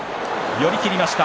寄り切りました。